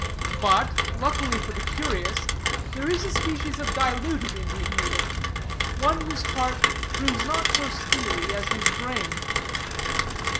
"'But, luckily for the curious, there is a species of diluted Indian hater, one whose heart proves not so steely as his brain.